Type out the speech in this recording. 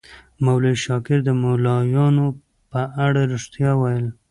مولوي شاکر د ملایانو په اړه ریښتیا ویل.